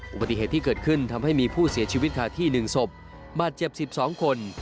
อุบัติเหตุที่เกิดขึ้นทำให้มีผู้เสียชีวิตคาที่๑ศพบาดเจ็บ๑๒คน